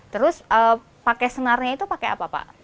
terus pakai senarnya itu pakai apa pak